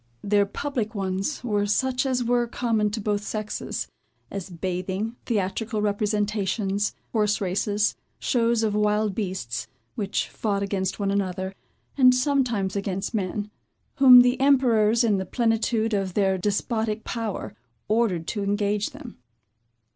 Their public ones, were such as were common to both sexes; as bathing, theatrical representations, horse races, shows of wild beasts, which fought against one another, and sometimes against men, whom the emperors, in the plenitude of their despotic power, ordered to engage them.